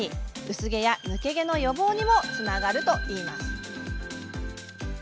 薄毛や抜け毛の予防にもつながるといいます。